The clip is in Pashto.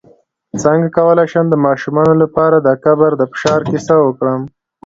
څنګه کولی شم د ماشومانو لپاره د قبر د فشار کیسه وکړم